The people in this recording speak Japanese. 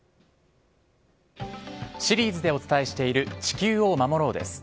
シリーズでお伝えしている、地球を守ろうです。